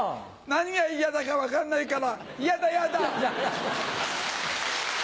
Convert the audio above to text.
何がイヤだか分かんないからやだやだ！